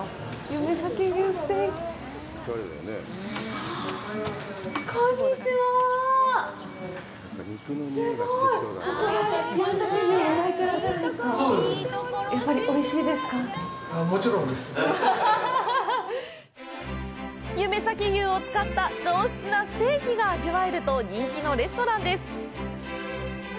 夢咲牛を使った上質なステーキが味わえると人気のレストランです。